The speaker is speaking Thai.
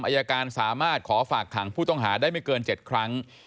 อายการสามารถขอฝากขังผู้ต้องหาได้ไม่เกิน๗ครั้ง